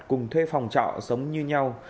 cùng thuê phòng trọ sống như nhau